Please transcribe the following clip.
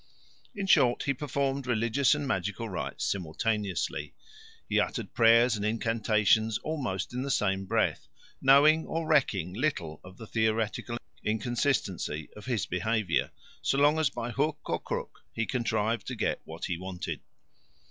In short, he performed religious and magical rites simultaneously; he uttered prayers and incantations almost in the same breath, knowing or recking little of the theoretical inconsistency of his behaviour, so long as by hook or crook he contrived to get what he wanted.